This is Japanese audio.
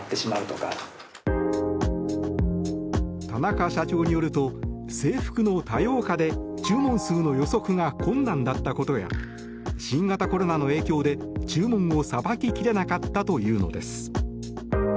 田中社長によると制服の多様化で注文数の予測が困難だったことや新型コロナの影響で注文をさばき切れなかったというのです。